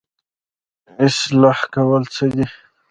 اصلاح کول څه دي؟